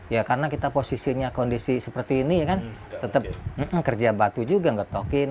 ya karena kita posisinya kondisi seperti ini kan tetap kerja batu juga ngetokin